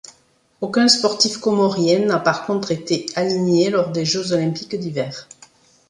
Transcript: Aucun sportif comorien n'a par contre été aligné lors des Jeux olympiques d'hiver.